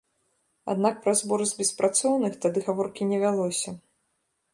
Аднак пра збор з беспрацоўных тады гаворкі не вялося.